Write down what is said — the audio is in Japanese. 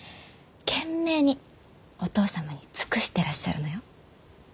懸命にお父様に尽くしてらっしゃるのよ。